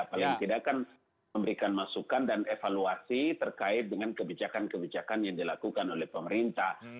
paling tidak kan memberikan masukan dan evaluasi terkait dengan kebijakan kebijakan yang dilakukan oleh pemerintah